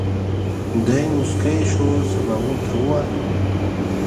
دی موسکی شو سباوون ته ووايه.